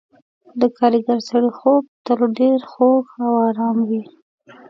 د کارګر سړي خوب تل ډېر خوږ او آرام وي.